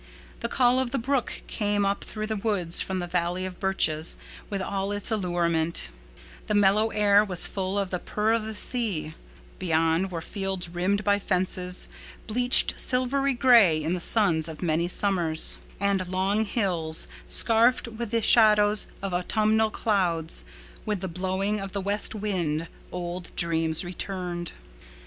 The call of the brook came up through the woods from the valley of birches with all its old allurement; the mellow air was full of the purr of the sea; beyond were fields rimmed by fences bleached silvery gray in the suns of many summers, and long hills scarfed with the shadows of autumnal clouds; with the blowing of the west wind old dreams returned.